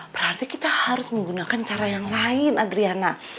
berarti kita harus menggunakan cara yang lain adriana